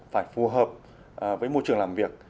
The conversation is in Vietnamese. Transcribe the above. phải phù hợp với môi trường làm việc